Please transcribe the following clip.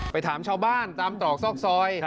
ถามชาวบ้านตามตรอกซอกซอย